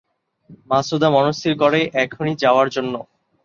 মাছুদা মনস্থির করে এখনই যাওয়ার জন্য।